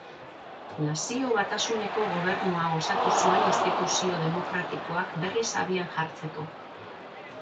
Nazio-batasuneko gobernua osatu zuen instituzio demokratikoak berriz abian jartzeko.